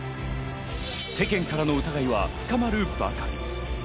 世間からの疑いは深まるばかり。